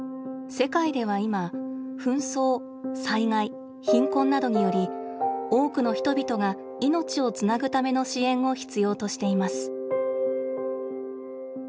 世界ではいま紛争災害貧困などにより多くの人々が命をつなぐための支援を必要としています。